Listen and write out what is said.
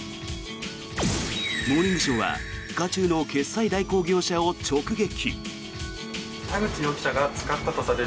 「モーニングショー」は渦中の決済代行業者を直撃。